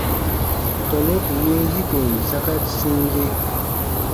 Tɔnu ù win yikon saka sĩire.